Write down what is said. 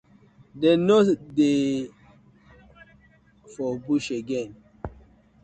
Dem no dey for bush again?